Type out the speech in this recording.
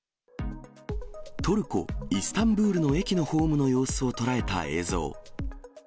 トルコ・イスタンブールの駅のホームの様子を捉えた映像。